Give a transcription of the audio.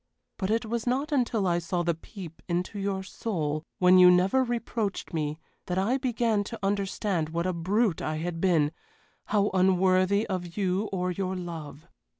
But it was not until I saw the peep into your soul, when you never reproached me, that I began to understand what a brute I had been how unworthy of you or your love.